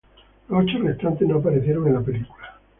Los ocho restantes no aparecieron en la película.